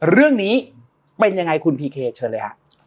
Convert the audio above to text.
เรื่องนี้เป็นยังไงคุณพีเคเชิญเลยฮะ